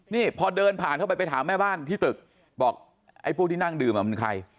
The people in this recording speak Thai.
นี่พอเดินผ่านเข้าไปไปถามแม่บ้านที่ตึกบอกไอ้พวกที่นั่งดื่มมันใคร